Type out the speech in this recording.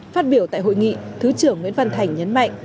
phát biểu tại hội nghị thứ trưởng nguyễn văn thành nhấn mạnh